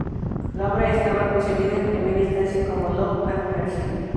La obra estaba concebida en primera instancia como "Love and Mercy".